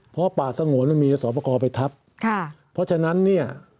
เพราะป่าสงองมีสอปกรไปทับเพราะฉะนั้นเนี่ย